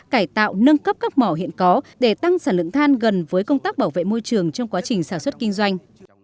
cải tạo nâng cấp các mỏ hiện có để tăng sản lượng than gần với công tác bảo vệ môi trường trong quá trình sản xuất kinh doanh